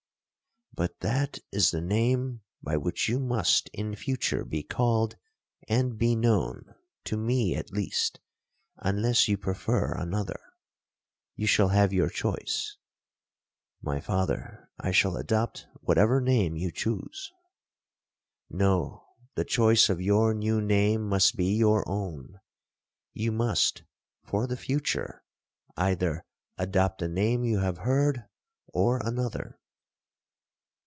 '—'But that is the name by which you must in future be called and be known, to me at least, unless you prefer another.—You shall have your choice.'—'My father, I shall adopt whatever name you choose.'—'No; the choice of your new name must be your own—you must, for the future, either adopt the name you have heard, or another.'